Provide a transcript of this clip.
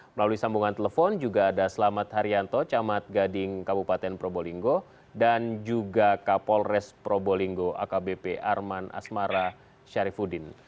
melalui sambungan telepon juga ada selamat haryanto camat gading kabupaten probolinggo dan juga kapolres probolinggo akbp arman asmara syarifudin